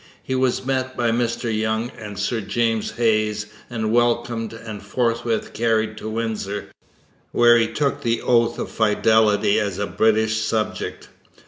He was met by Mr Young and Sir James Hayes and welcomed and forthwith carried to Windsor, where he took the oath of fidelity as a British subject.